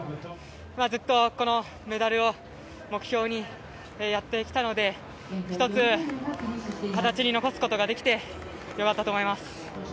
ずっとこのメダルを目標にやってきたので１つ、形に残すことができて良かったと思います。